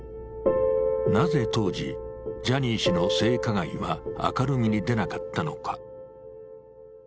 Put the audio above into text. なぜ当時ジャニー氏の性加害は明るみに出なかったのか。